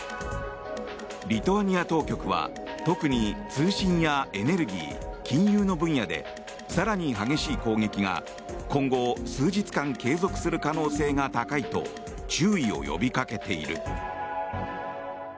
リトアニア当局は特に通信やエネルギー金融の分野で更に激しい攻撃が今後数日間、継続する可能性が高いと注意を呼びかけている。